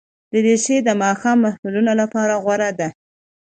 دریشي د ماښام محفلونو لپاره غوره ده.